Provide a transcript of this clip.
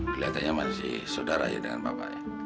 keliatannya masih sodara ya dengan bapak ya